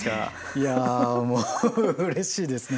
いやもううれしいですね。